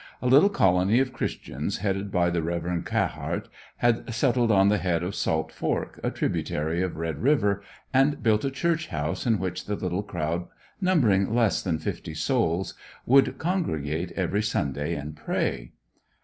A little Colony of Christians headed by the Rev. Cahart, had settled on the head of Salt Fork, a tributary of Red river, and built a church house in which the little crowd, numbering less than fifty souls would congregate every Sunday and pray.